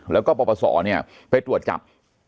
แล้วก็ปสเนี่ยไปตรวจจับ